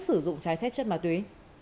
sử dụng trái phép chất ma túy